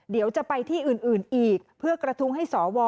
เดี๋ยวจะไปที่อื่นอีกเพื่อกระทุ้งให้สว